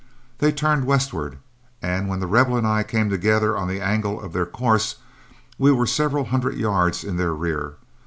They turned westward, and when The Rebel and I came together on the angle of their course, we were several hundred yards in their rear.